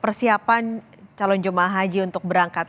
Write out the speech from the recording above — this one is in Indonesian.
persiapan calon jemaah haji untuk berangkat